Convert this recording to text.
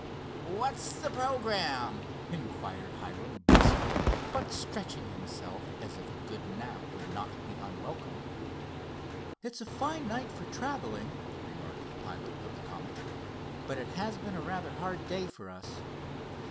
"What's the programme?" inquired Hiram briskly, but stretching himself as if a good nap would not be unwelcome. "It's a fine night for traveling," remarked the pilot of the Comet; "but it has been rather a hard day for us.